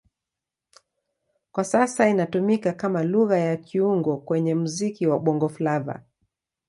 Kwa sasa inatumika kama Lugha ya kiungo kwenye muziki wa Bongo Flava.